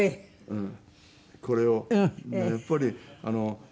うん。